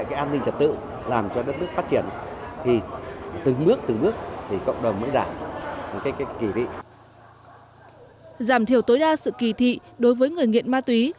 giảm thiểu tối đa sự kỳ thị đối với người nghiện ma túy